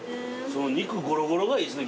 肉ゴロゴロがいいっすね